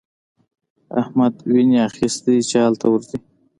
احمد ويني اخيستی دی چې هلته ورځي.